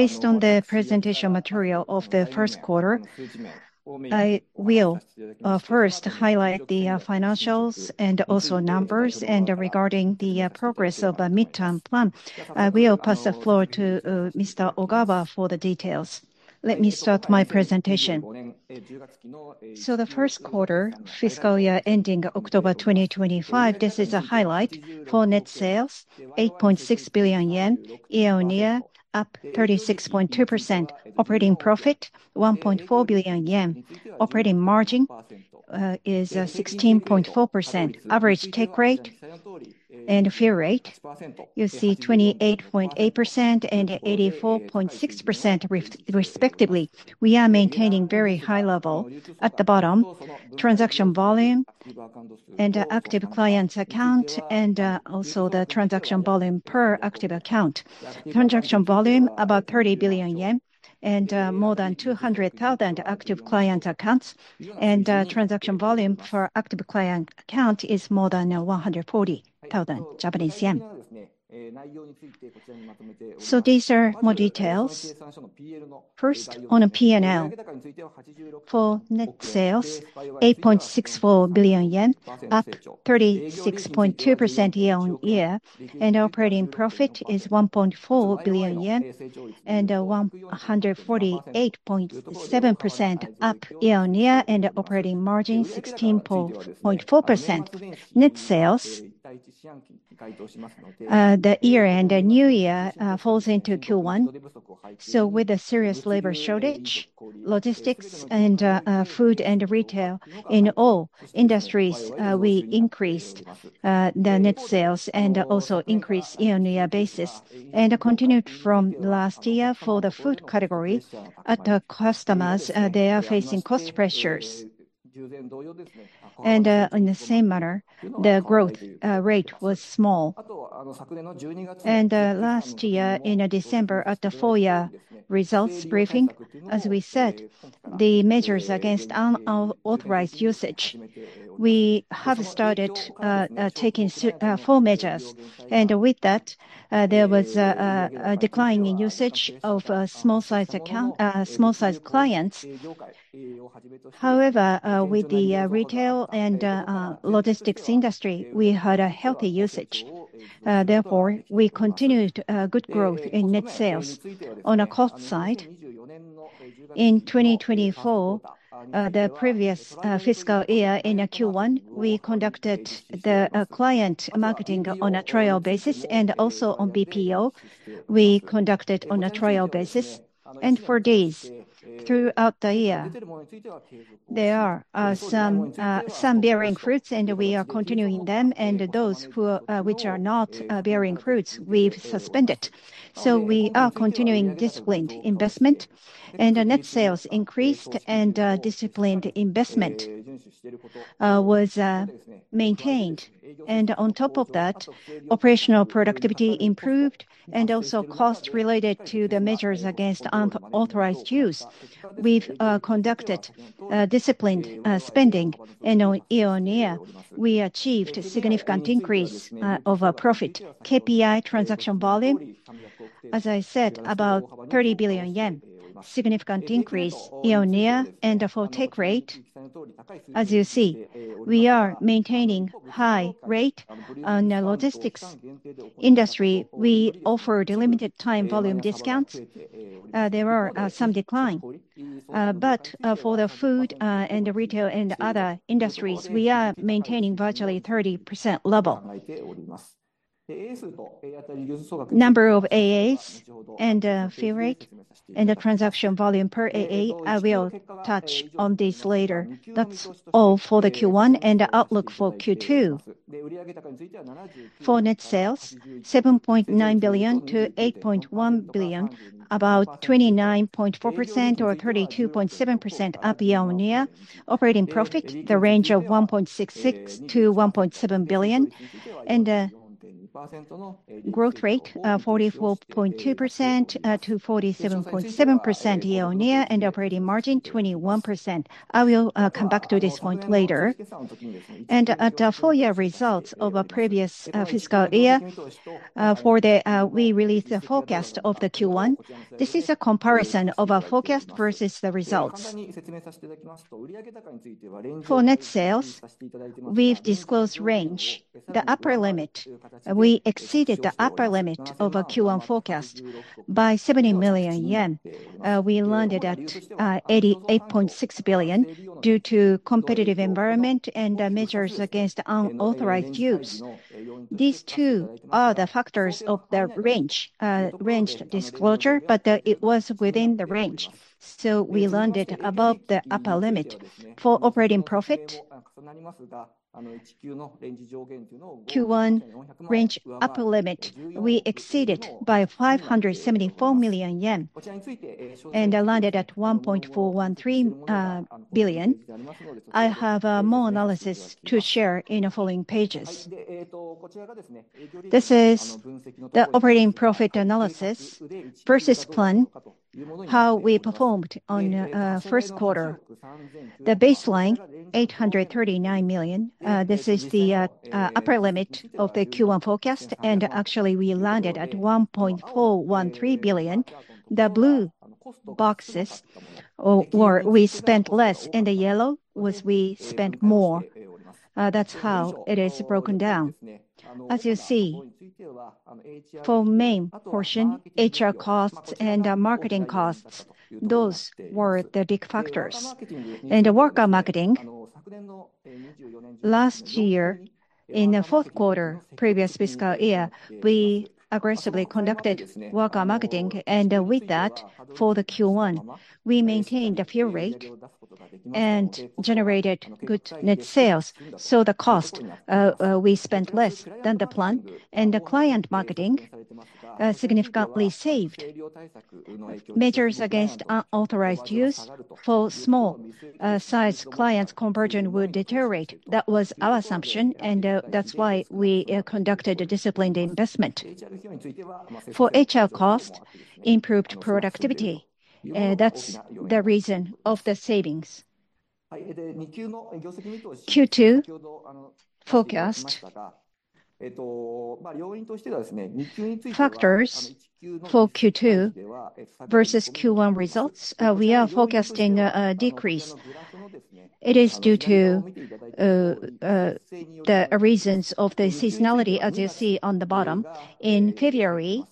Based on the presentation material of the Q1, I will first highlight the financials and also numbers. Regarding the progress of the midterm plan, I will pass the floor to Mr. Ogawa for the details. Let me start my presentation. The Q1, fiscal year ending October 2025, this is a highlight: full net sales, 8.6 billion yen, year-on-year up 36.2%. Operating profit, 1.4 billion yen. Operating margin is 16.4%. Average take rate and fee rate, you see, 28.8% and 84.6% respectively. We are maintaining very high level at the bottom: transaction volume and active client account, and also the transaction volume per active account. Transaction volume about 30 billion yen and more than 200,000 active client accounts, and transaction volume for active client account is more than 140,000 Japanese yen. These are more details. First, on P&L, full net sales, 8.64 billion yen, up 36.2% year-on-year, and operating profit is 1.4 billion yen and 148.7% up year-on-year, and operating margin 16.4%. Net sales, the year-end, the new year falls into Q1. With a serious labor shortage, logistics and food and retail in all industries, we increased the net sales and also increased year-on-year basis. Continued from last year for the food category, at the customers, they are facing cost pressures. In the same manner, the growth rate was small. Last year, in December, at the full year results briefing, as we said, the measures against unauthorized usage. We have started taking full measures, and with that, there was a decline in usage of small-sized clients. However, with the retail and logistics industry, we had a healthy usage. Therefore, we continued good growth in net sales. On the cost side, in 2024, the previous fiscal year in Q1, we conducted the client marketing on a trial basis, and also on BPO, we conducted on a trial basis. For days, throughout the year, there are some bearing fruits, and we are continuing them, and those which are not bearing fruits, we've suspended. We are continuing disciplined investment, and net sales increased, and disciplined investment was maintained. On top of that, operational productivity improved, and also cost related to the measures against unauthorized usage. We've conducted disciplined spending, and on year-on-year, we achieved a significant increase of profit. KPI transaction volume, as I said, about 30 billion yen, significant increase year-on-year, and for take rate, as you see, we are maintaining high rate on the logistics industry. We offered limited-time volume discounts. There are some declines, but for the food and retail and other industries, we are maintaining virtually 30% level. Number of AAs and fee rate, and the transaction volume per AA, I will touch on this later. That is all for the Q1, and the outlook for Q2. For net sales, 7.9 billion-8.1 billion, about 29.4%-32.7% up year-on-year. Operating profit, the range of 1.66 billion-1.7 billion, and growth rate 44.2%-47.7% year-on-year, and operating margin 21%. I will come back to this point later. At the four-year results of a previous fiscal year, we released the forecast of the Q1. This is a comparison of a forecast versus the results. For net sales, we have disclosed range. The upper limit, we exceeded the upper limit of a Q1 forecast by 70 million yen. We landed at 88.6 billion due to competitive environment and measures against unauthorized use. These two are the factors of the range disclosure, but it was within the range, so we landed above the upper limit. For operating profit, Q1 range upper limit, we exceeded by 574 million yen, and I landed at 1.413 billion. I have more analysis to share in the following pages. This is the operating profit analysis versus plan, how we performed on Q1. The baseline, 839 million, this is the upper limit of the Q1 forecast, and actually we landed at 1.413 billion. The blue boxes, or we spent less, and the yellow was we spent more. That's how it is broken down. As you see, for main portion, HR costs and marketing costs, those were the big factors. The worker marketing, last year in the Q4, previous fiscal year, we aggressively conducted worker marketing, and with that, for Q1, we maintained the fee rate and generated good net sales. The cost, we spent less than the plan, and the client marketing significantly saved. Measures against unauthorized use for small-sized clients' conversion would deteriorate. That was our assumption, and that's why we conducted disciplined investment. For HR cost, improved productivity. That's the reason of the savings. Q2 forecast factors for Q2 versus Q1 results, we are forecasting a decrease. It is due to the reasons of the seasonality, as you see on the bottom. In February,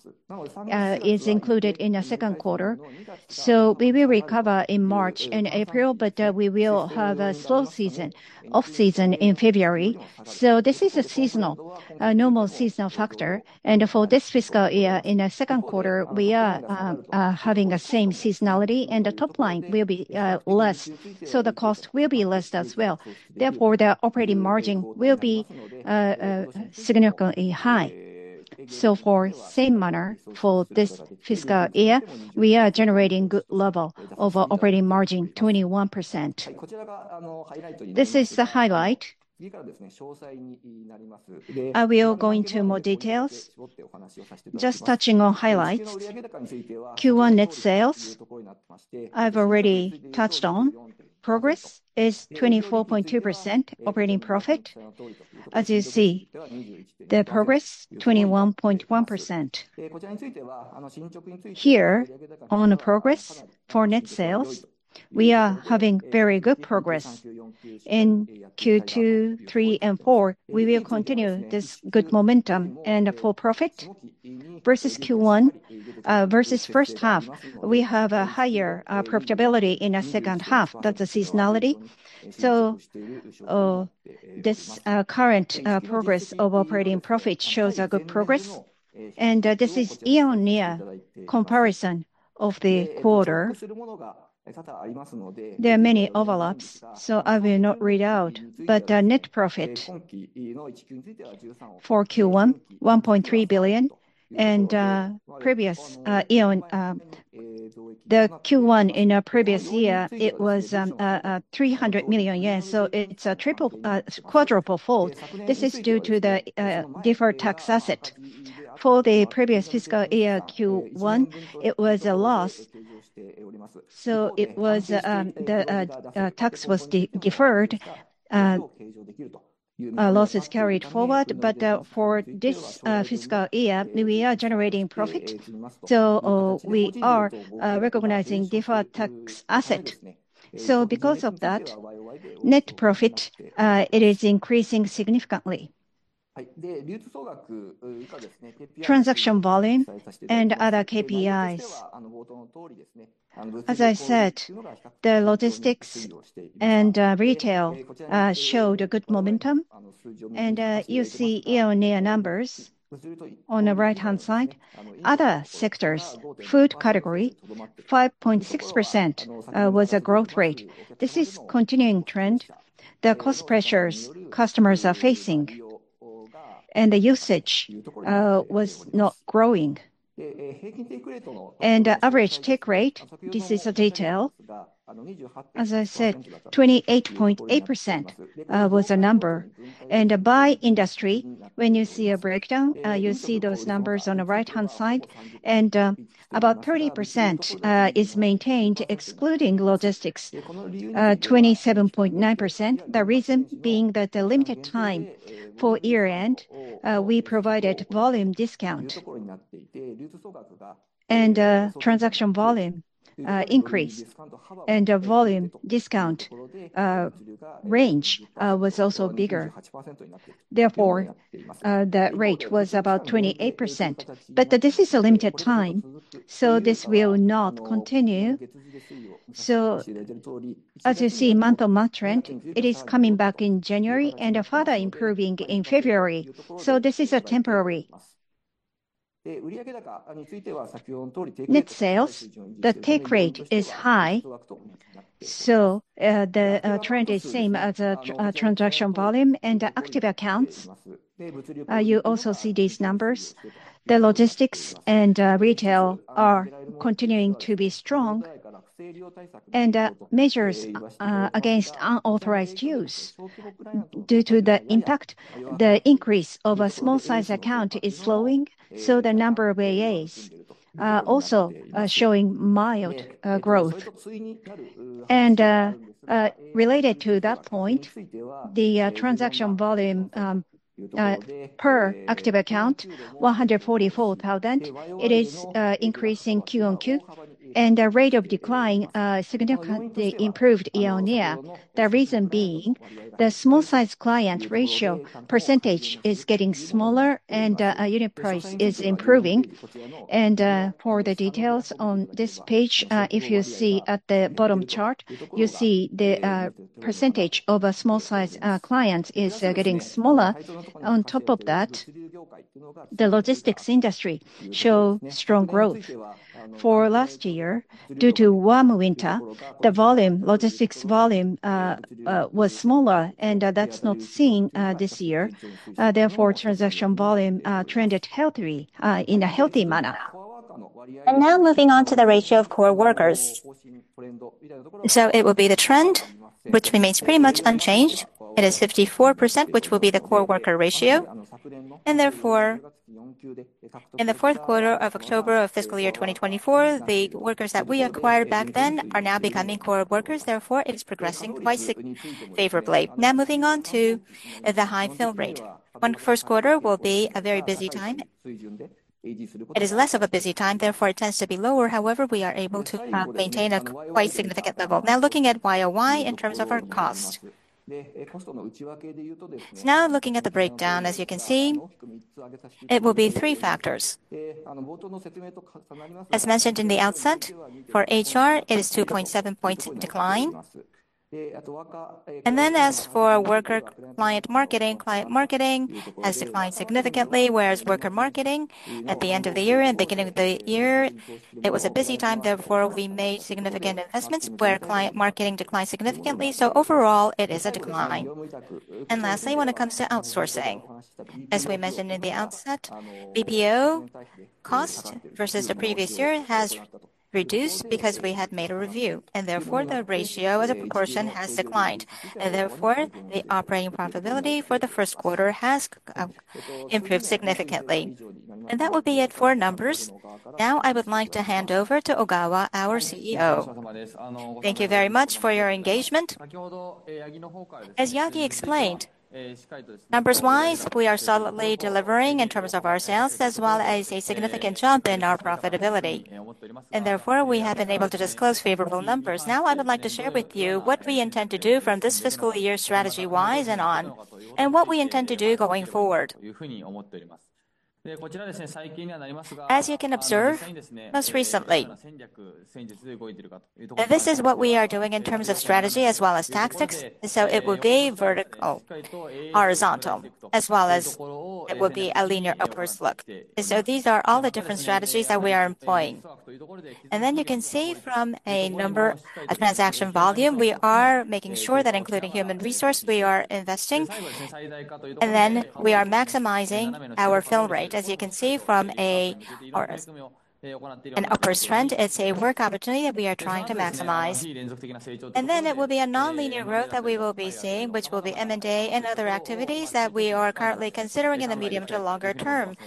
it is included in the Q2, we will recover in March and April, but we will have a slow season, off-season in February. This is a seasonal, normal seasonal factor. For this fiscal year, in the Q2, we are having the same seasonality, and the top line will be less, so the cost will be less as well. Therefore, the operating margin will be significantly high. For the same manner, for this fiscal year, we are generating good level of operating margin, 21%. This is the highlight. I will go into more details, just touching on highlights. Q1 net sales, I have already touched on. Progress is 24.2% operating profit. As you see, the progress, 21.1%. Here, on the progress for net sales, we are having very good progress. In Q2, Q3, and Q4, we will continue this good momentum and full profit. Versus Q1, versus first half, we have a higher profitability in the second half. That is the seasonality. This current progress of operating profit shows a good progress. This is year-on-year comparison of the quarter. There are many overlaps, so I will not read out. The net profit for Q1, 1.3 billion, and previous year, the Q1 in the previous year, it was 300 million yen. It is a quadruple fold. This is due to the deferred tax asset. For the previous fiscal year, Q1, it was a loss. The tax was deferred, losses carried forward, but for this fiscal year, we are generating profit. We are recognizing deferred tax asset. Because of that, net profit, it is increasing significantly. Transaction volume and other KPIs. As I said, the logistics and retail showed a good momentum. You see year-on-year numbers on the right-hand side. Other sectors, food category, 5.6% was a growth rate. This is a continuing trend. The cost pressures customers are facing and the usage was not growing. The average take rate, this is a detail. As I said, 28.8% was a number. By industry, when you see a breakdown, you see those numbers on the right-hand side. About 30% is maintained, excluding logistics, 27.9%. The reason being that the limited time for year-end, we provided volume discount and transaction volume increased, and the volume discount range was also bigger. Therefore, the rate was about 28%. This is a limited time, so this will not continue. As you see, month-on-month trend, it is coming back in January and further improving in February. This is temporary. Net sales, the take rate is high. The trend is same as the transaction volume and the active accounts. You also see these numbers. The logistics and retail are continuing to be strong. Measures against unauthorized use due to the impact, the increase of a small-sized account is slowing, so the number of AAs also showing mild growth. Related to that point, the transaction volume per active account, 144,000, it is increasing Quarter-on-Quarter. The rate of decline significantly improved year-on-year. The reason being the small-sized client ratio percentage is getting smaller and unit price is improving. For the details on this page, if you see at the bottom chart, you see the percentage of small-sized clients is getting smaller. On top of that, the logistics industry shows strong growth. For last year, due to warm winter, the logistics volume was smaller, and that's not seen this year. Therefore, transaction volume trended healthy in a healthy manner. Now moving on to the ratio of core workers. It will be the trend, which remains pretty much unchanged. It is 54%, which will be the core worker ratio. Therefore, in the Q4 of October of fiscal year 2024, the workers that we acquired back then are now becoming core workers. Therefore, it is progressing quite favorably. Now moving on to the high fill rate. One Q1 will be a very busy time. It is less of a busy time. Therefore, it tends to be lower. However, we are able to maintain a quite significant level. Now looking at year over year in terms of our cost. Now looking at the breakdown, as you can see, it will be three factors. As mentioned in the outset, for HR, it is a 2.7% decline. Then as for worker client marketing, client marketing has declined significantly, whereas worker marketing at the end of the year and beginning of the year, it was a busy time. Therefore, we made significant investments where client marketing declined significantly. Overall, it is a decline. Lastly, when it comes to outsourcing, as we mentioned in the outset, BPO cost versus the previous year has reduced because we had made a review. Therefore, the ratio as a proportion has declined. Therefore, the operating profitability for the Q1 has improved significantly. That would be it for numbers. Now I would like to hand over to Ogawa, our CEO. Thank you very much for your engagement. As Yagi explained, numbers-wise, we are solidly delivering in terms of our sales, as well as a significant jump in our profitability. Therefore, we have been able to disclose favorable numbers. Now I would like to share with you what we intend to do from this fiscal year strategy-wise and on, and what we intend to do going forward. As you can observe, most recently, this is what we are doing in terms of strategy as well as tactics. It will be vertical, horizontal, as well as it will be a linear upwards look. These are all the different strategies that we are employing. You can see from a number, a transaction volume, we are making sure that including human resource, we are investing. We are maximizing our fill rate. As you can see from an upwards trend, it's a work opportunity that we are trying to maximize. It will be a non-linear growth that we will be seeing, which will be M&A and other activities that we are currently considering in the medium to longer term.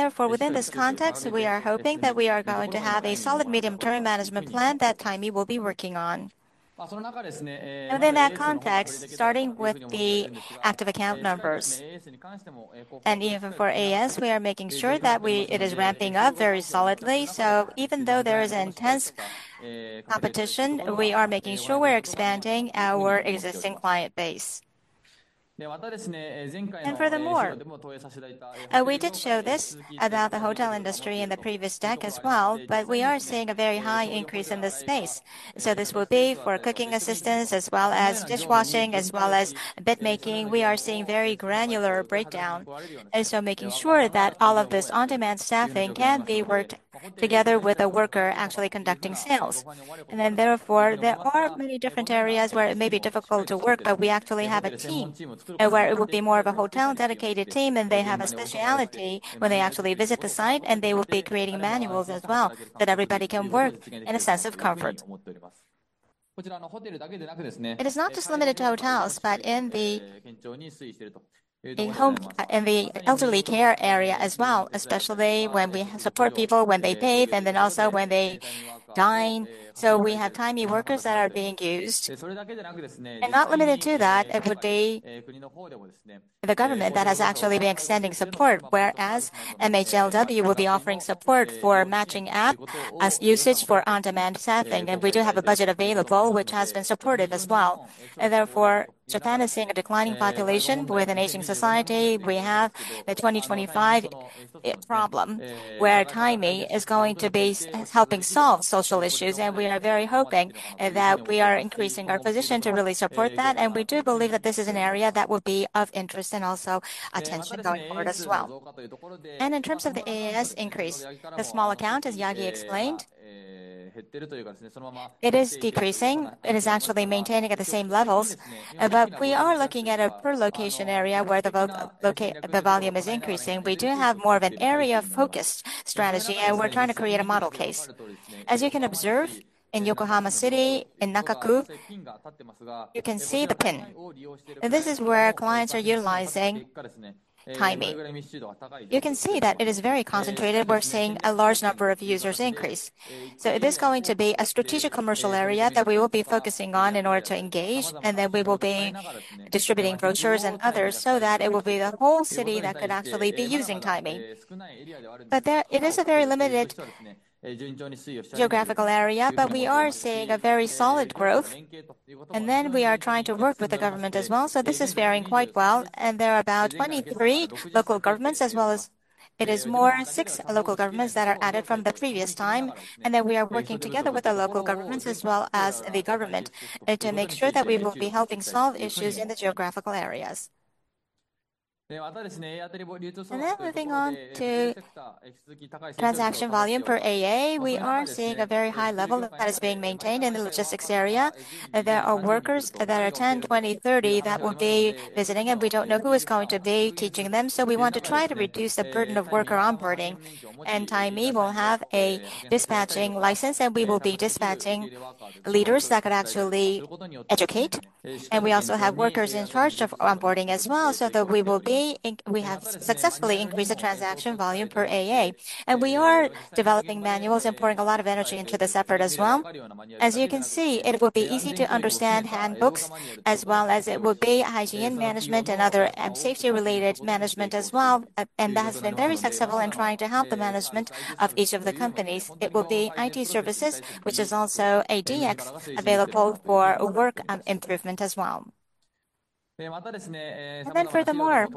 Therefore, within this context, we are hoping that we are going to have a solid medium-term management plan that Timee will be working on. Within that context, starting with the active account numbers. Even for AS, we are making sure that it is ramping up very solidly. Even though there is intense competition, we are making sure we're expanding our existing client base. Furthermore, we did show this about the hotel industry in the previous deck as well, but we are seeing a very high increase in this space. This will be for cooking assistance as well as dishwashing, as well as bed making. We are seeing a very granular breakdown. Making sure that all of this on-demand staffing can be worked together with a worker actually conducting sales. Therefore, there are many different areas where it may be difficult to work, but we actually have a team where it will be more of a hotel dedicated team, and they have a specialty when they actually visit the site, and they will be creating manuals as well that everybody can work in a sense of comfort. It is not just limited to hotels, but in the elderly care area as well, especially when we support people when they bathe and then also when they dine. We have Timee workers that are being used. Not limited to that, it would be the government that has actually been extending support, whereas MHLW will be offering support for matching app as usage for on-demand staffing. We do have a budget available, which has been supportive as well. Japan is seeing a declining population with an aging society. We have the 2025 problem where Timee is going to be helping solve social issues. We are very hoping that we are increasing our position to really support that. We do believe that this is an area that will be of interest and also attention going forward as well. In terms of the AS increase, the small account, as Yagi explained, it is decreasing. It is actually maintaining at the same levels. We are looking at a per location area where the volume is increasing. We do have more of an area-focused strategy, and we are trying to create a model case. As you can observe in Yokohama City, in Naka-ku, you can see the pin. This is where clients are utilizing Timee. You can see that it is very concentrated. We're seeing a large number of users increase. It is going to be a strategic commercial area that we will be focusing on in order to engage. We will be distributing brochures and others so that it will be the whole city that could actually be using Timee. It is a very limited geographical area, but we are seeing very solid growth. We are trying to work with the government as well. This is faring quite well. There are about 23 local governments, as well as more than six local governments that are added from the previous time. We are working together with the local governments as well as the government to make sure that we will be helping solve issues in the geographical areas. Moving on to transaction volume for AA, we are seeing a very high level that is being maintained in the logistics area. There are workers that attend 2030 that will be visiting, and we do not know who is going to be teaching them. We want to try to reduce the burden of worker onboarding. Timee will have a dispatching license, and we will be dispatching leaders that could actually educate. We also have workers in charge of onboarding as well so that we have successfully increased the transaction volume per AA. We are developing manuals and pouring a lot of energy into this effort as well. As you can see, it will be easy to understand handbooks, as well as hygiene management and other safety-related management as well. That has been very successful in trying to help the management of each of the companies. It will be IT services, which is also a DX available for work improvement as well. Furthermore,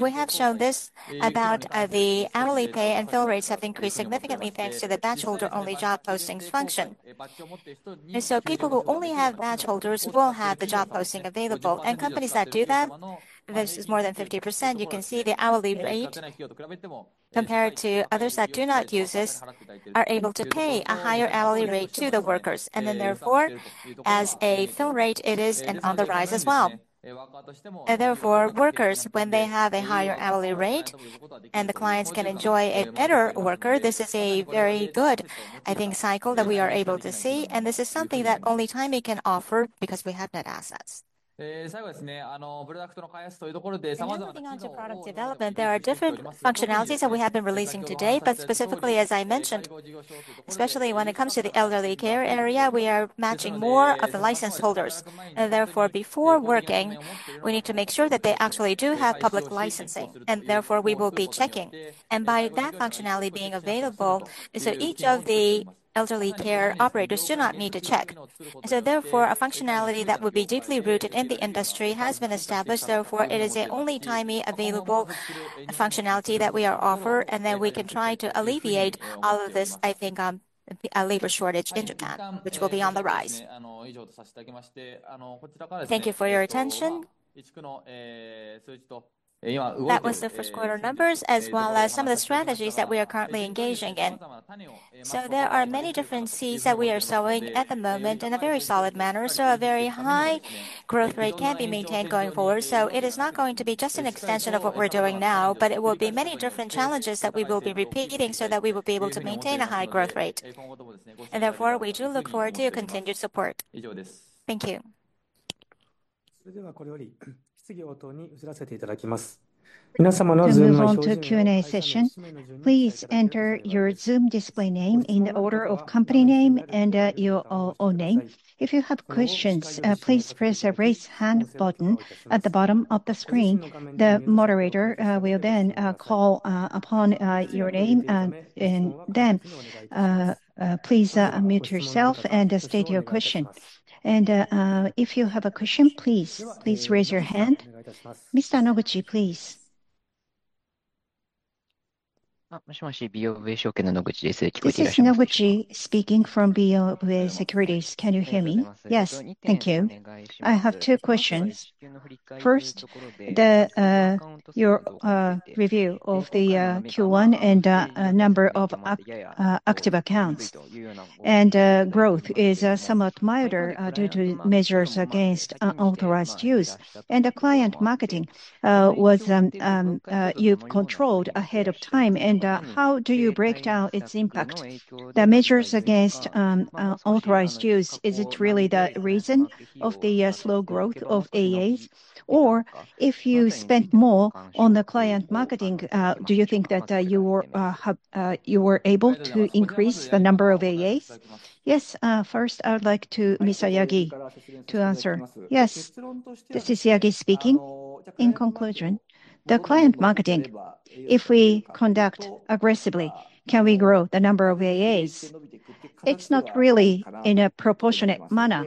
we have shown this about the hourly pay and fill rates have increased significantly thanks to the badge holder only function. People who only have badge holders will have the job posting available. Companies that do that, this is more than 50%. You can see the hourly rate compared to others that do not use this are able to pay a higher hourly rate to the workers. Therefore, as a fill rate, it is on the rise as well. Therefore, workers, when they have a higher hourly rate and the clients can enjoy a better worker, this is a very good, I think, cycle that we are able to see. This is something that only Timee can offer because we have net assets. Moving on to product development, there are different functionalities that we have been releasing today, but specifically, as I mentioned, especially when it comes to the elderly care area, we are matching more of the license holders. Therefore, before working, we need to make sure that they actually do have public licensing. We will be checking. By that functionality being available, each of the elderly care operators does not need to check. Therefore, a functionality that would be deeply rooted in the industry has been established. Therefore, it is the only Timee available functionality that we are offering. Then we can try to alleviate all of this, I think, a labor shortage in Japan, which will be on the rise. Thank you for your attention. That was the Q1 numbers, as well as some of the strategies that we are currently engaging in. There are many different seeds that we are sowing at the moment in a very solid manner. A very high growth rate can be maintained going forward. It is not going to be just an extension of what we're doing now, but it will be many different challenges that we will be repeating so that we will be able to maintain a high growth rate. Therefore, we do look forward to continued support. Thank you. Now we will move on to the Q&A session. Welcome to Q&A session. Please enter your Zoom display name in the order of company name and your own name. If you have questions, please press the raise hand button at the bottom of the screen. The moderator will then call upon your name. Please unmute yourself and state your question. If you have a question, please raise your hand. Mr. Noguchi, please. This is Noguchi speaking from BofA Securities. Can you hear me? Yes, thank you. I have two questions. First, your review of the Q1 and number of active accounts. Growth is somewhat milder due to measures against unauthorized use. The client marketing was controlled ahead of time. How do you break down its impact? The measures against unauthorized use, is it really the reason of the slow growth of AAs? If you spent more on the client marketing, do you think that you were able to increase the number of AAs? Yes. First, I would like Mr. Yagi to answer. Yes, this is Yagi speaking. In conclusion, the client marketing, if we conduct aggressively, can we grow the number of AAs? It's not really in a proportionate manner.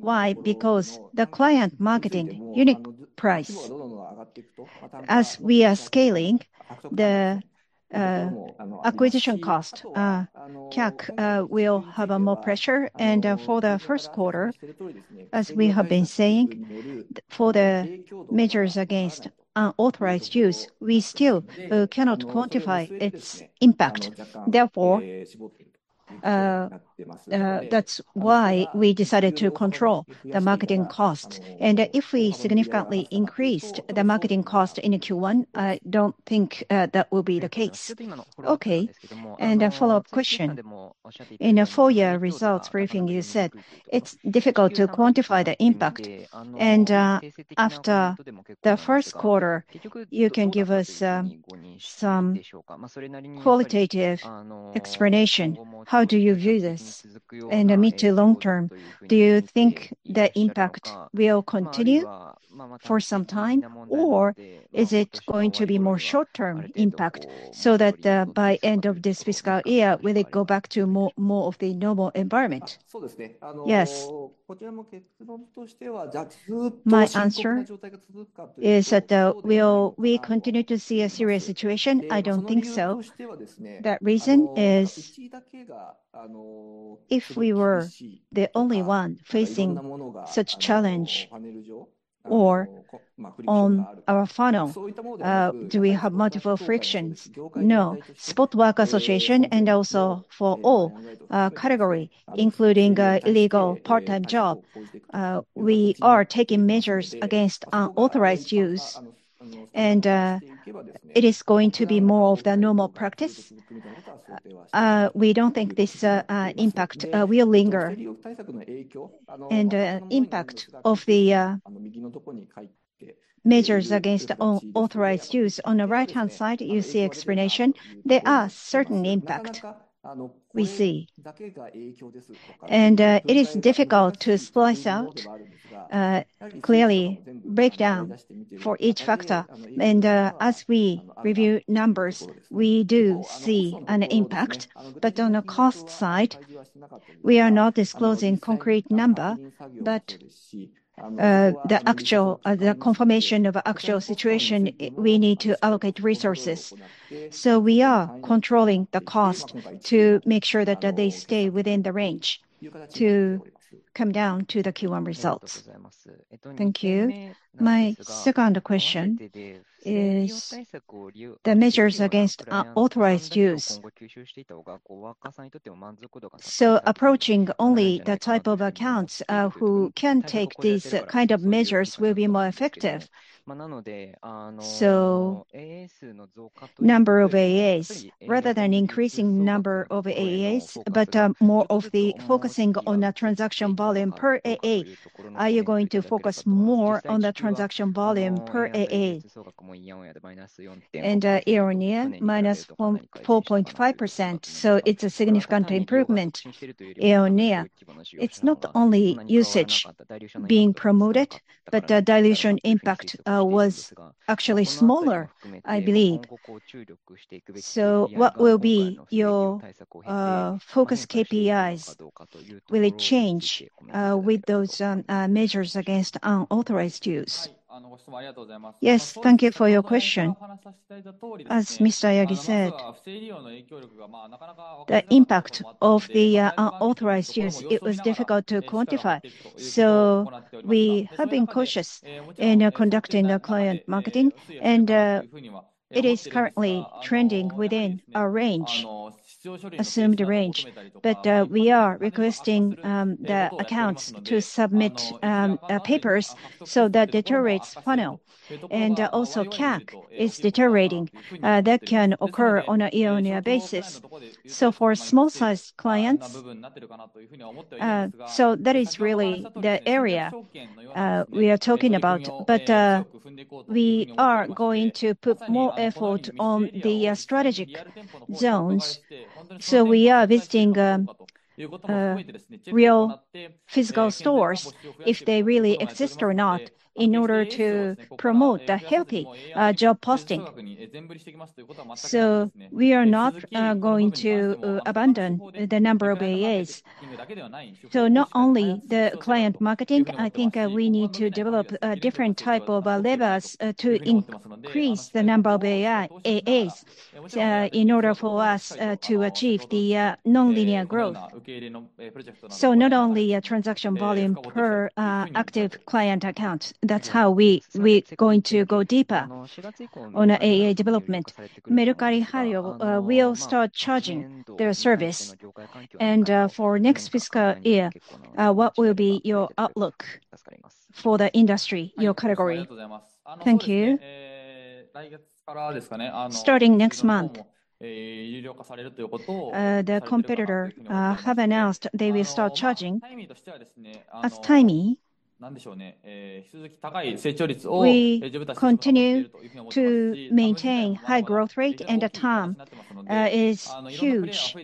Why? Because the client marketing, unique price. As we are scaling, the acquisition cost CAC will have more pressure. For the Q1, as we have been saying, for the measures against unauthorized use, we still cannot quantify its impact. Therefore, that's why we decided to control the marketing cost. If we significantly increased the marketing cost in Q1, I don't think that will be the case. Okay. A follow-up question. In a four-year results briefing, you said it's difficult to quantify the impact. After the Q1, you can give us some qualitative explanation. How do you view this? Mid to long term, do you think the impact will continue for some time, or is it going to be more short-term impact so that by the end of this fiscal year, will it go back to more of the normal environment? Yes. My answer is that we continue to see a serious situation. I don't think so. That reason is if we were the only one facing such challenge or on our funnel, do we have multiple frictions? No. Spot Work Association and also for all categories, including illegal part-time jobs, we are taking measures against unauthorized use. It is going to be more of the normal practice. We don't think this impact will linger. The impact of the measures against unauthorized use, on the right-hand side, you see explanation. There are certain impacts we see. It is difficult to splice out, clearly break down for each factor. As we review numbers, we do see an impact. On the cost side, we are not disclosing concrete numbers, but the actual confirmation of the actual situation, we need to allocate resources. We are controlling the cost to make sure that they stay within the range to come down to the Q1 results. Thank you. My second question is the measures against unauthorized use. Approaching only the type of accounts who can take these kinds of measures will be more effective. Number of AAs, rather than increasing the number of AAs, but more of the focusing on the transaction volume per AA, are you going to focus more on the transaction volume per AA? Earlier, minus 4.5%. It is a significant improvement. Earlier, it is not only usage being promoted, but the dilution impact was actually smaller, I believe. What will be your focus KPIs? Will it change with those measures against unauthorized use? Yes, thank you for your question. As Mr. Yagi said, the impact of the unauthorized use, it was difficult to quantify. We have been cautious in conducting the client marketing. It is currently trending within our assumed range. We are requesting the accounts to submit papers so that deteriorates funnel. Also, CAC is deteriorating. That can occur on an earlier basis. For small-sized clients, that is really the area we are talking about. We are going to put more effort on the strategic zones. We are visiting real physical stores if they really exist or not in order to promote the healthy job posting. We are not going to abandon the number of AAs. Not only the client marketing, I think we need to develop a different type of levers to increase the number of AAs in order for us to achieve the non-linear growth. Not only a transaction volume per active client account. That's how we're going to go deeper on AA development. Mercari will start charging their service. For next fiscal year, what will be your outlook for the industry, your category? Thank you. Starting next month, the competitor has announced they will start charging as Timee. We continue to maintain high growth rate, and the time is huge.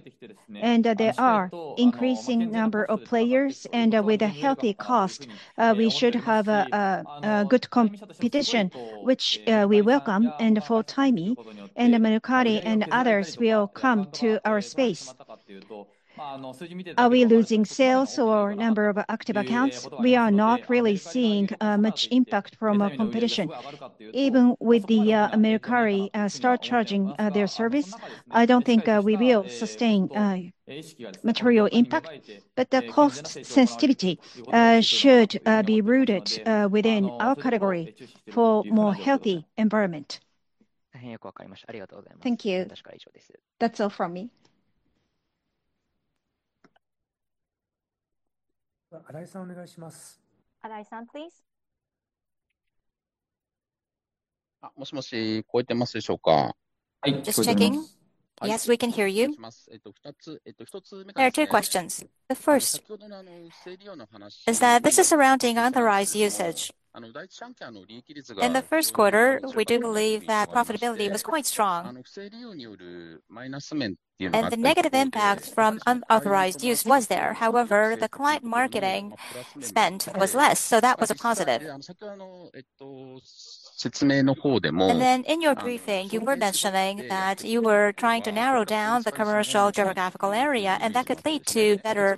There are an increasing number of players, and with a healthy cost, we should have a good competition, which we welcome. For Timee, Mercari and others will come to our space. Are we losing sales or number of active accounts? We are not really seeing much impact from competition. Even with Mercari start charging their service, I do not think we will sustain material impact. The cost sensitivity should be rooted within our category for a more healthy environment. Thank you. That's all from me. Arai-san, please. Hello, can you hear me? Just checking. Yes, we can hear you. お願いします。There are two questions. The first, The story of the fraudulent use mentioned earlier, Is that this is surrounding unauthorized usage. The profit margin of the first three families In the Q1, we do believe that profitability was quite strong. The downside of fraudulent use is the negative impact from unauthorized use was there. However, the client marketing spend was less, so that was a positive. Then, In your briefing, you were mentioning that you were trying to narrow down the commercial demographical area, and that could lead to better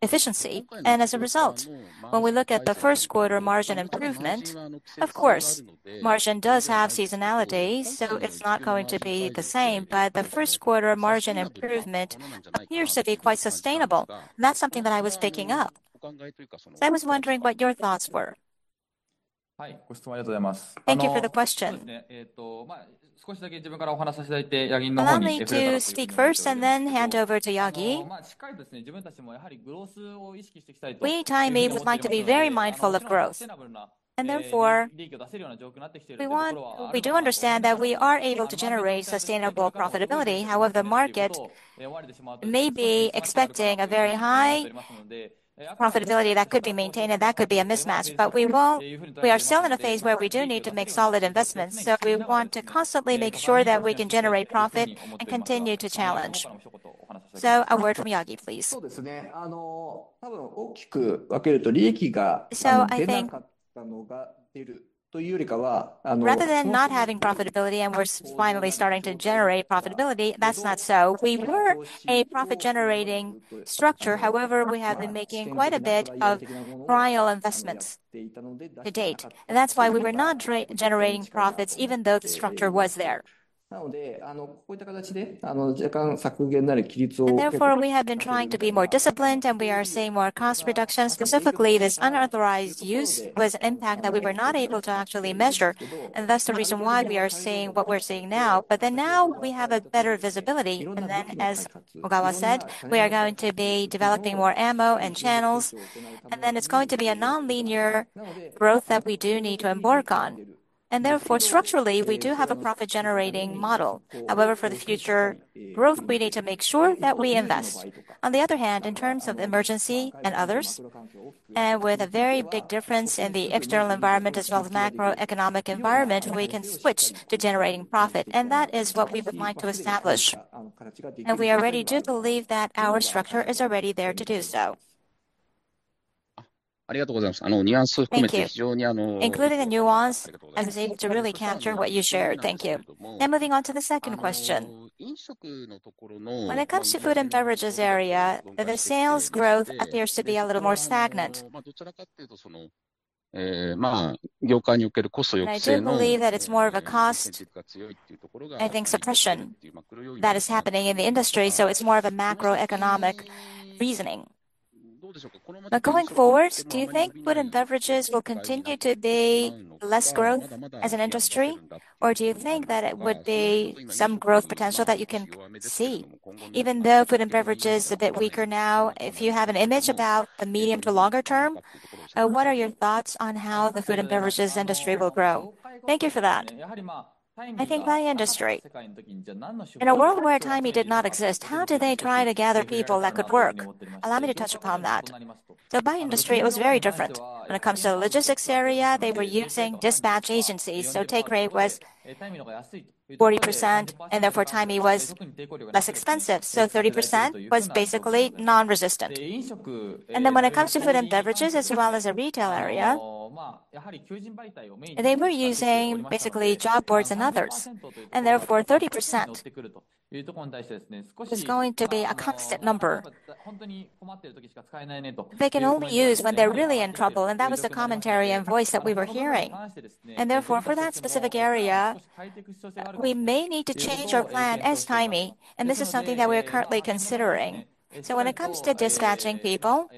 efficiency. As a result, when we look at the Q1 margin improvement, of course, margin does have seasonality, so it's not going to be the same. The Q1 margin improvement appears to be quite sustainable. That's something that I was picking up. I was wondering what your thoughts were. Thank you. Thank you for the question. Let me speak first and then hand over to Yagi. We at Timee would like to be very mindful of growth. Therefore, we do understand that we are able to generate sustainable profitability. However, the market may be expecting a very high profitability, the market may be expecting a very high profitability that could be maintained, and that could be a mismatch. We are still in a phase where we do need to make solid investments. We want to constantly make sure that we can generate profit and continue to challenge. A word from Yagi, please. Rather than not having profitability and we're finally starting to generate profitability, that's not so. We were a profit-generating structure. However we have been making quite a bit of trial investments to date. That is why we were not generating profits, even though the structure was there. We have been trying to be more disciplined, and we are seeing more cost reductions. Specifically, this unauthorized use was an impact that we were not able to actually measure. That is the reason why we are seeing what we're seeing now. Now we have a better visibility. As Ogawa said, we are going to be developing more ammo and channels. It is going to be a non-linear growth that we do need to embark on. Therefore, structurally, we do have a profit-generating model. However, for the future growth, we need to make sure that we invest. On the other hand, in terms of emergency and others, and with a very big difference in the external environment as well as macroeconomic environment, we can switch to generating profit. That is what we would like to establish. We already do believe that our structure is already there to do so. Thank you, Including the nuance, I was able to really capture what you shared. Thank you. Now moving on to the second question. When it comes to food and beverages area, the sales growth appears to be a little more stagnant. I think suppression that is happening in the industry, so it's more of a macroeconomic reasoning. Going forward, do you think food and beverages will continue to be less growth as an industry? Do you think that it would be some growth potential that you can see? Even though food and beverages are a bit weaker now, if you have an image about the medium to longer term, what are your thoughts on how the food and beverages industry will grow? Thank you for that. I think by industry, in a world where Timee did not exist, how did they try to gather people that could work? Allow me to touch upon that. By industry, it was very different. When it comes to the logistics area, they were using dispatch agencies. Take rate was 40%, and therefore Timee was less expensive. 30% was basically non-resistant. When it comes to food and beverages, as well as the retail area, they were using basically job boards and others. Therefore, 30% is going to be a constant number. They can only use when they're really in trouble. That was the commentary and voice that we were hearing. Therefore, for that specific area, we may need to change our plan as Timee. This is something that we are currently considering. When it comes to dispatching people,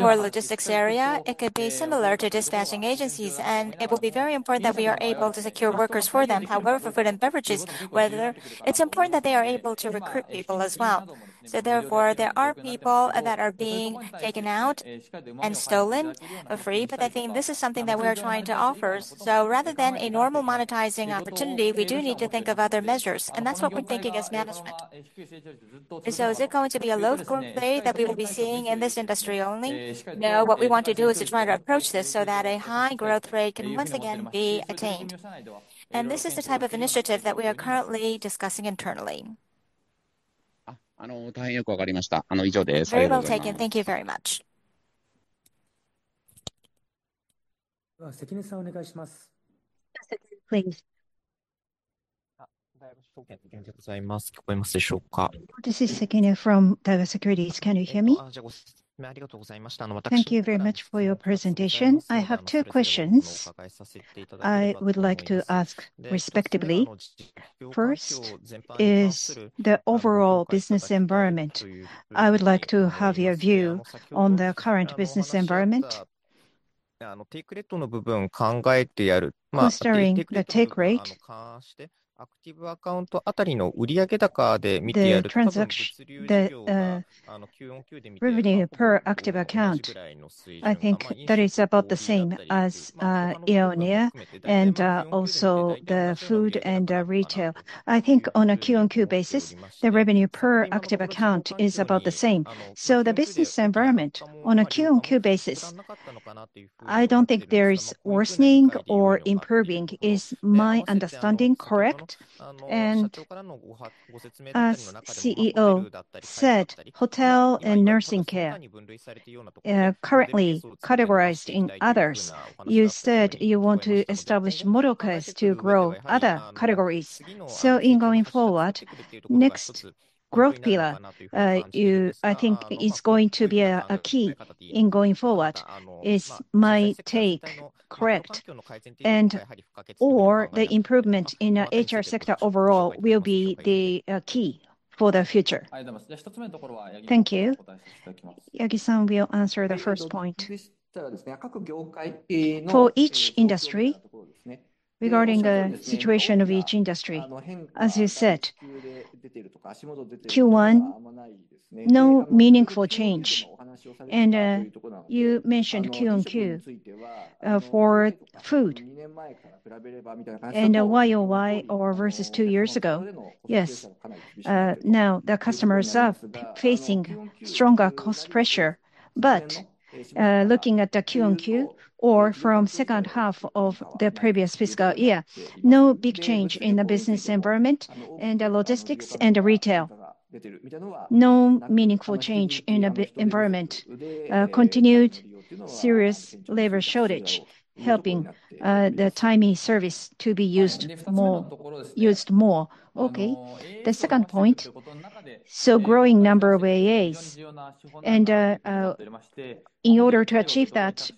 or logistics area, it could be similar to dispatching agencies. It will be very important that we are able to secure workers for them. However, for food and beverages, whether it's important that they are able to recruit people as well. Therefore, there are people that are being taken out and stolen for free. I think this is something that we are trying to offer. Rather than a normal monetizing opportunity, we do need to think of other measures. That's what we're thinking as management. Is it going to be a low growth rate that we will be seeing in this industry only? No, what we want to do is to try to approach this so that a high growth rate can once again be attained. This is the type of initiative that we are currently discussing internally. Very well taken Thank you very much. Mr. Sekine, please. This is Sekine from Daiwa Securities. Can you hear me? Thank you very much for your presentation. I have two questions. I would like to ask respectively. First is the overall business environment. I would like to have your view on the current business environment. Considering the take rate the transaction revenue per active account, I think that is about the same as earlier and also the food and retail. I think on a Q1Q basis, the revenue per active account is about the same. The business environment on a Q1Q basis, I do not think there is worsening or improving. Is my understanding correct? As CEO said, hotel and nursing care currently categorized in others, you said you want to establish model cases to grow other categories. In going forward, next growth pillar, I think it is going to be a key in going forward. Is my take correct? And/or the improvement in the HR sector overall will be the key for the future. Thank you. Yagi-san will answer the first point. For each industry, regarding the situation of each industry, as you said, Q1, no meaningful change. You mentioned quarter on quarter for food, and year-on-year or versus two years ago. Yes. Now the customers are facing stronger cost pressure. Looking at the quarter on quarter or from the second half of the previous fiscal year, no big change in the business environment and the logistics and the retail. No meaningful change in the environment. Continued serious labor shortage helping the Timee service to be used more. The second point, growing number of AAs. In order to achieve that,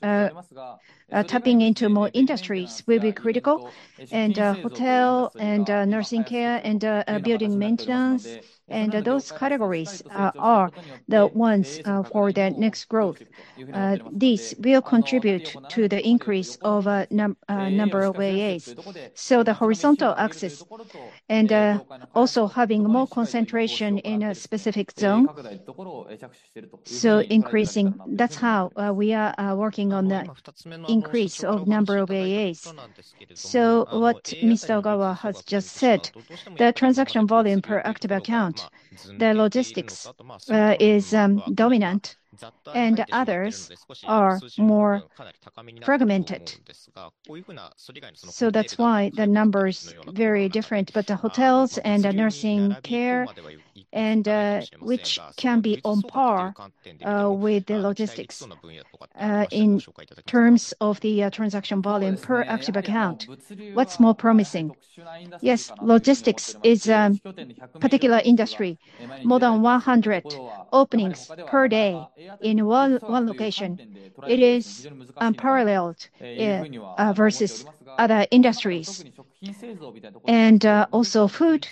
tapping into more industries will be critical. Hotel and nursing care and building maintenance and those categories are the ones for the next growth. These will contribute to the increase of a number of AAs. The horizontal axis and also having more concentration in a specific zone, so increasing. That is how we are working on the increase of number of AAs. What Mr. Ogawa has just said, the transaction volume per active account, the logistics is dominant and others are more fragmented. That is why the numbers are very different. The hotels and the nursing care, which can be on par with the logistics in terms of the transaction volume per active account, what is more promising? Yes, logistics is a particular industry. More than 100 openings per day in one location. It is unparalleled versus other industries. Also food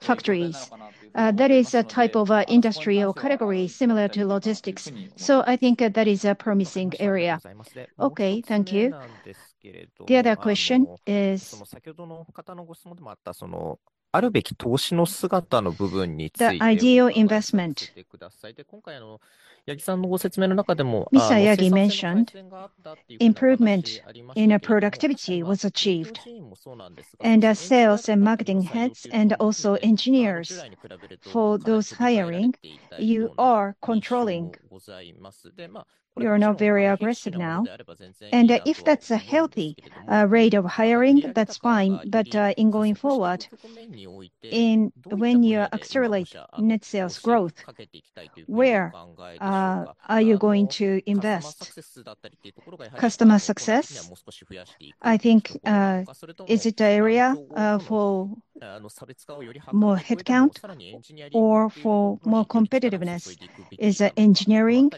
factories. That is a type of industry or category similar to logistics. I think that is a promising area. Okay, thank you. The other question is the ideal investment. Mr. Yagi mentioned improvement in productivity was achieved. Sales and marketing heads and also engineers for those hiring, you are controlling. You are not very aggressive now. If that's a healthy rate of hiring, that's fine. In going forward, when you accelerate net sales growth, where are you going to invest? Customer success? I think, is it the area for more headcount or for more competitiveness? Is it engineering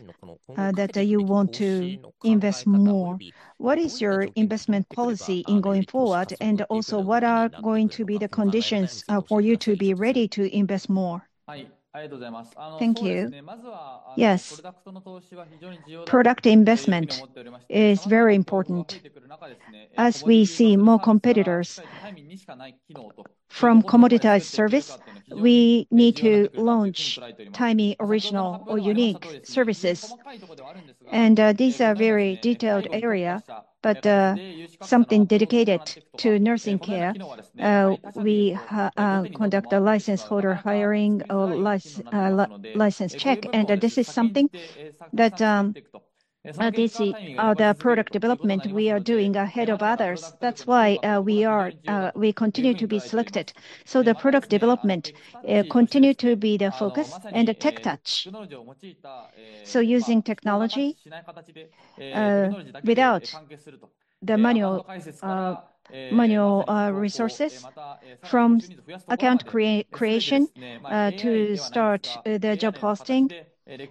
that you want to invest more? What is your investment policy in going forward? Also, what are going to be the conditions for you to be ready to invest more? Thank you. Yes. Product investment is very important as we see more competitors from commoditized service. We need to launch Timee original or unique services. These are very detailed areas, but something dedicated to nursing care. We conduct a license holder hiring or license check. This is something that these are the product development we are doing ahead of others. That is why we continue to be selected. The product development continues to be the focus and the tech touch. Using technology without the manual resources from account creation to start the job posting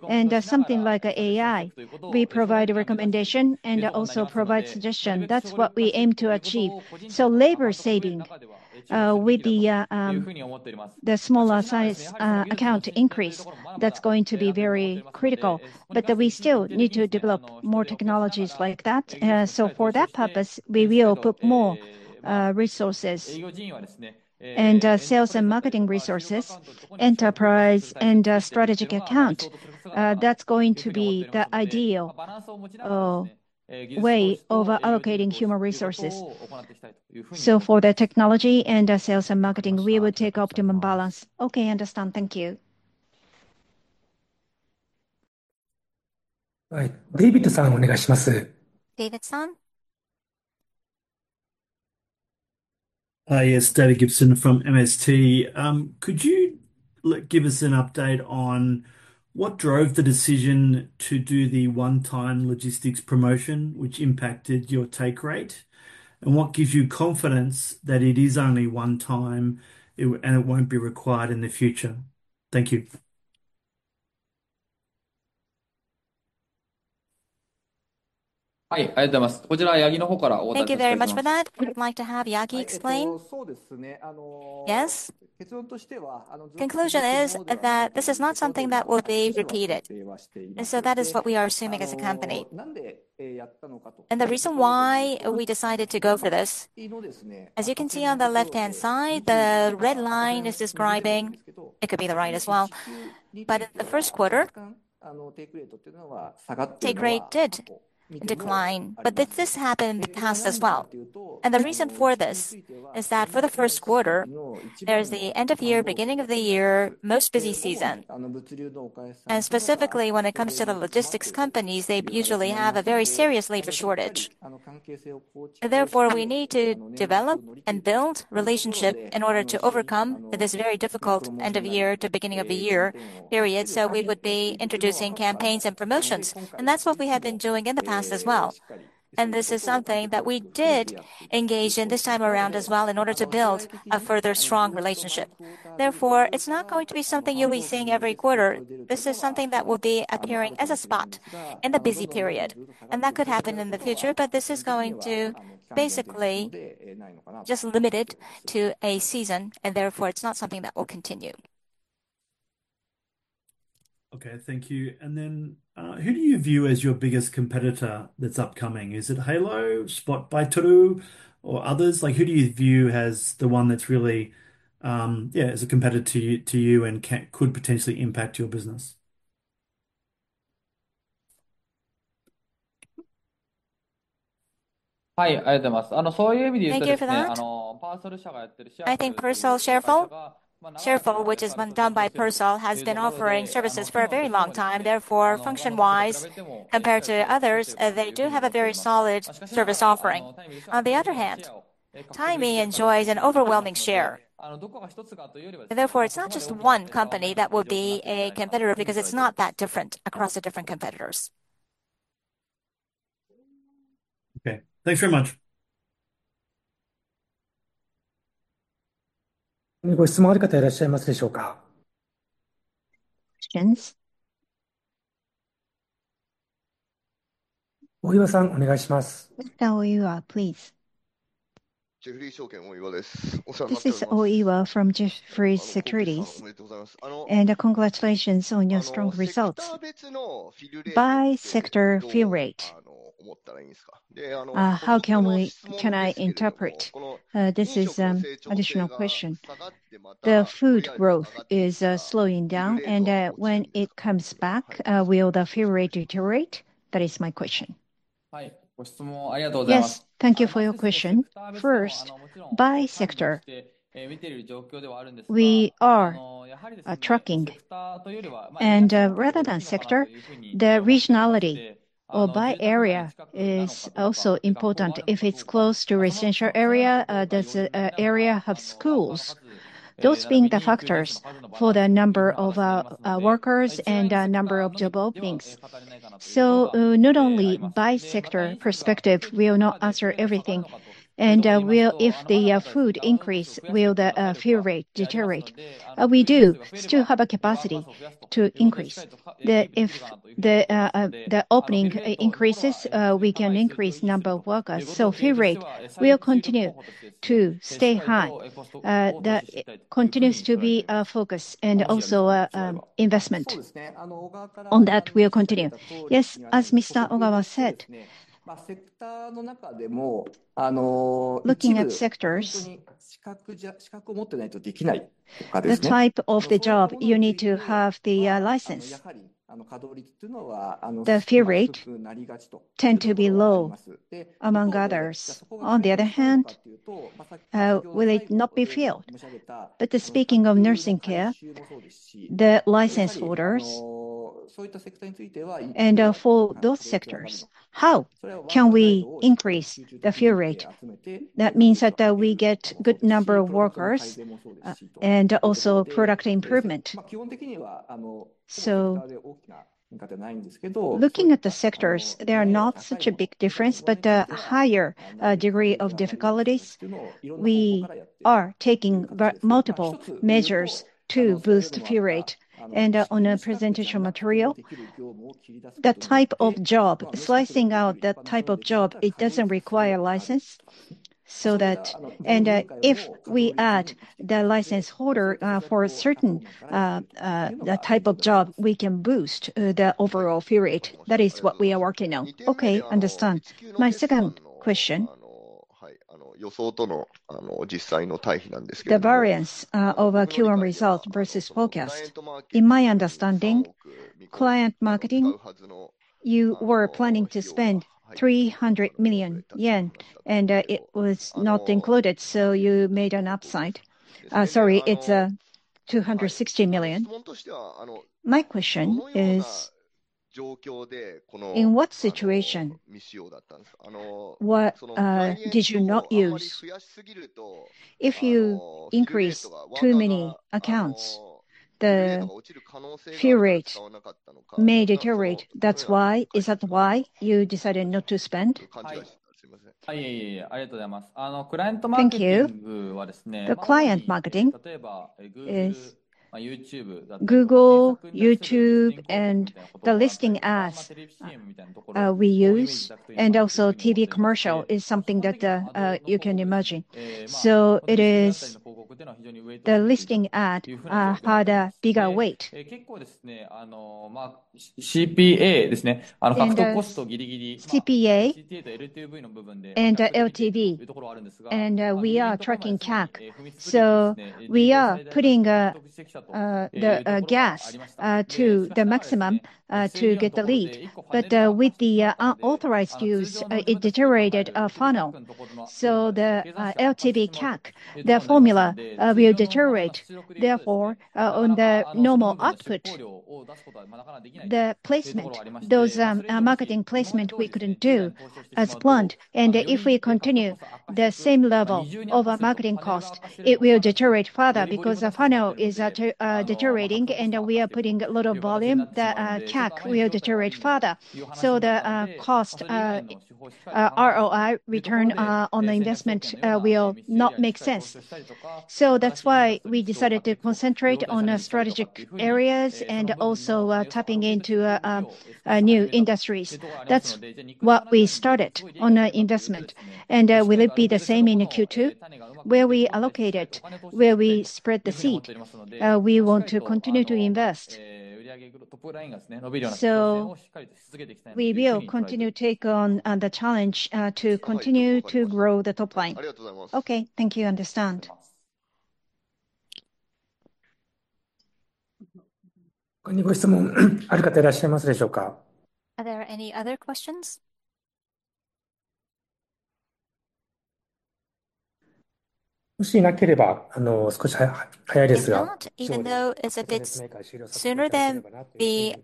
and something like AI, we provide a recommendation and also provide suggestions. That is what we aim to achieve. Labor saving with the smaller size account increase, that is going to be very critical. We still need to develop more technologies like that. For that purpose, we will put more resources and sales and marketing resources, enterprise and strategic account. That is going to be the ideal way of allocating human resources. For the technology and sales and marketing, we will take optimum balance. Okay, I understand. Thank you. David Gibson. Hi, yes, David Gibson from MST Financial. Could you give us an update on what drove the decision to do the one-time logistics promotion, which impacted your take rate? What gives you confidence that it is only one time and it will not be required in the future? Thank you. Thank you very much for that. Would you like to have Yagi explain? Yes. Conclusion is that this is not something that will be repeated. That is what we are assuming as a company. Why did we do this? As you can see on the left-hand side, the red line is describing. It could be the right as well. In the Q1, take rate did decline. This happened in the past as well. The reason for this is that for the Q1, there is the end of year, beginning of the year, most busy season. Specifically, when it comes to the logistics companies, they usually have a very serious labor shortage. Therefore, we need to develop and build relationships in order to overcome this very difficult end of year to beginning of the year period. We would be introducing campaigns and promotions. That is what we have been doing in the past as well. This is something that we did engage in this time around as well in order to build a further strong relationship. Therefore, it is not going to be something you will be seeing every quarter. This is something that will be appearing as a spot in the busy period. That could happen in the future, but this is going to basically just be limited to a season. Therefore, it's not something that will continue. Okay, thank you. Who do you view as your biggest competitor that's upcoming? Is it Halo, Spot Baitoru, or others? Who do you view as the one that's really, yeah, as a competitor to you and could potentially impact your business? Thank you for that. I think PERSOL's Sharefull, which has been done by PERSOL, has been offering services for a very long time. Therefore, function-wise, compared to others, they do have a very solid service offering. On the other hand, Timee enjoys an overwhelming share. Therefore, it's not just one company that will be a competitor because it's not that different across the different competitors. Okay, thanks very much. Mr. Oiwa, please. This is Oiwa from Jefferies Securities. Congratulations on your strong results by sector fill rate. How can I interpret? This is an additional question. The food growth is slowing down, and when it comes back, will the fill rate deteriorate? That is my question. Yes, thank you for your question. First, by sector, we are tracking. Rather than sector, the regionality or by area is also important. If it's close to a residential area, there's an area of schools. Those being the factors for the number of workers and the number of job openings. Not only by sector perspective, we will not answer everything. If the food increases, will the fill rate deteriorate? We do still have a capacity to increase. If the opening increases, we can increase the number of workers. Fill rate will continue to stay high. That continues to be a focus and also an investment on that. We'll continue. Yes, as Mr. Ogawa said, looking at sectors, the type of the job you need to have the license. the fill rate tend to be low among others. On the other hand, will it not be filled? Speaking of nursing care, the license holders, and for those sectors, how can we increase the fill rate? That means that we get a good number of workers and also product improvement. looking at the sectors, there are not such a big difference, but a higher degree of difficulties. We are taking multiple measures to boost the fill rate. On the presentation material, the type of job, slicing out that type of job, it doesn't require a license and if we add the license holder for a certain type of job, we can boost the overall fill rate. That is what we are working on. Okay, understand. My second question, the variance of Q1 result versus forecast. In my understanding, client marketing, you were planning to spend 300 million yen, and it was not included. So you made an upside. Sorry, it is 260 million. My question is, in what situation did you not use? If you increase too many accounts, the fill rate may deteriorate. Is that why you decided not to spend? Thank you. The client marketing, Google, YouTube, and the listing ads we use, and also TV commercial is something that you can imagine. It is the listing ads had a bigger weight. CPA and LTV and we are tracking CAC. We are putting the gas to the maximum to get the lead. With the unauthorized use, it deteriorated our funnel. The LTV CAC, the formula will deteriorate. Therefore, on the normal output, the placement, those marketing placement we couldn't do as planned. If we continue the same level of marketing cost, it will deteriorate further because the funnel is deteriorating, and we are putting a lot of volume. The CAC will deteriorate further. The cost ROI, return on the investment, will not make sense. That is why we decided to concentrate on strategic areas and also tapping into new industries. That is what we started on investment. Will it be the same in Q2? Where we allocated, where we spread the seed, we want to continue to invest. We will continue to take on the challenge to continue to grow the top line. Okay, thank you, understand. Are there any other questions? If not, even though it's a bit sooner than the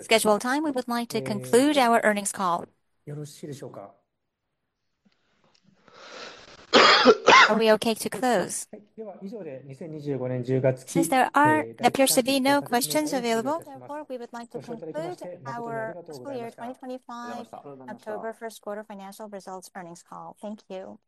scheduled time, we would like to conclude our earnings call. Are we okay to close? Since there appears to be no questions available, therefore we would like to conclude our 2025 October Q1 Financial Results Earnings Call. Thank you.